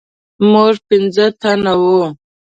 موږ پنځه تنه وو.